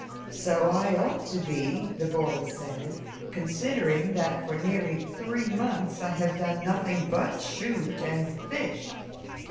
"So I ought to be," the boy said, "considering that for nearly three months I have done nothing but shoot and fish."